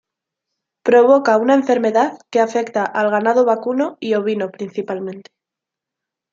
Provoca una enfermedad que afecta al ganado vacuno y ovino principalmente.